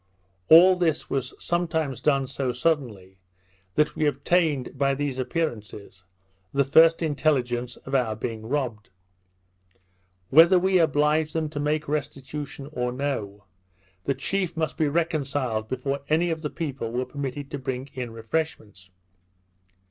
All this was sometimes done so suddenly, that we obtained, by these appearances, the first intelligence of our being robbed. Whether we obliged them to make restitution or no, the chief must be reconciled before any of the people were permitted to bring in refreshments.